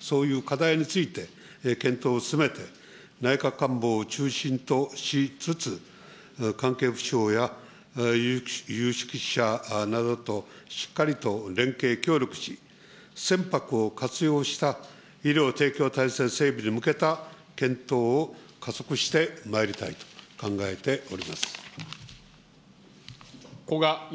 そういう課題について、検討を進めて、内閣官房を中心としつつ、関係府省や有識者などとしっかりと連携協力し、船舶を活用した医療提供体制整備に向けた検討を加速してまいりた古賀之